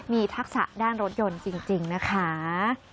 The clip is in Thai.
มีทักษะด้านรถยนต์จริงนะคะ